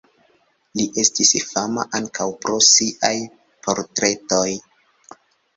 Li estis fama ankaŭ pro siaj portretoj.